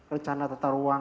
rencana tetahuan uang